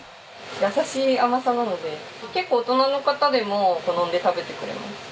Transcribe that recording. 優しい甘さなので結構大人の方でも好んで食べてくれます。